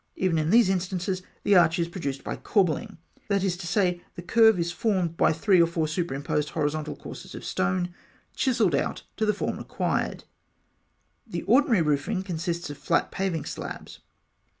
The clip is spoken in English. Even in these instances, the arch is produced by "corbelling"; that is to say, the curve is formed by three or four superimposed horizontal courses of stone, chiselled out to the form required (fig. 56). The ordinary roofing consists of flat paving slabs.